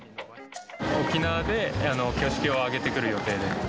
沖縄で挙式を挙げてくる予定